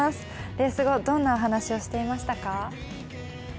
レース後、どんなお話をしていましたか？